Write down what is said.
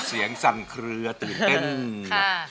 เสียงสั่นเคลือตื่นเต้น